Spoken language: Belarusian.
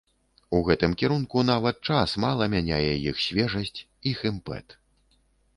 У гэтым кірунку нават час мала мяняе іх свежасць, іх імпэт.